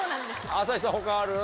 朝日さん他ある？